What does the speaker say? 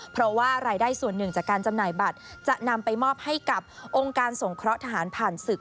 เพราะว่ารายได้ส่วนหนึ่งจากการจำหน่ายบัตรจะนำไปมอบให้กับองค์การสงเคราะห์ทหารผ่านศึก